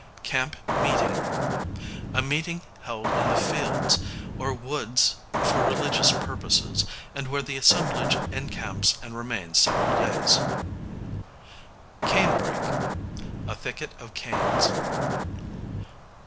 Camp meeting, a meeting held in the fields or woods for religious purposes, and where the assemblage encamps and remains several days. Cane brake, a thicket of canes.